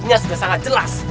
ini sudah sangat jelas